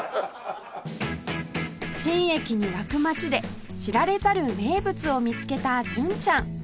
新駅に沸く街で知られざる名物を見つけた純ちゃん